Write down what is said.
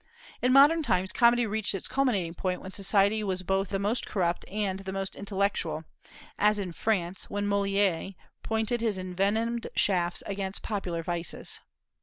In modern times, comedy reached its culminating point when society was both the most corrupt and the most intellectual, as in France, when Molière pointed his envenomed shafts against popular vices.